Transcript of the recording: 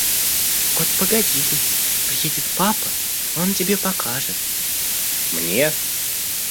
Вот погоди, приедет папа, он тебе покажет! – Мне?